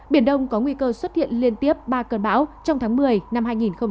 biển đông có nguy cơ xuất hiện liên tiếp ba cơn bão trong tháng một mươi năm hai nghìn hai mươi